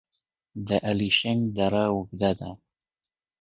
د الیشنګ دره اوږده ده